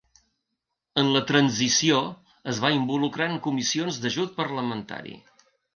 En la transició es va involucrar en comissions d’ajut parlamentari.